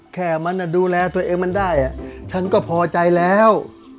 แค่มันดูแลตัวเองมันได้ฉันก็พอใจแล้ว